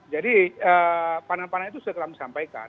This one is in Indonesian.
jadi pandang pandang itu sudah kita sampaikan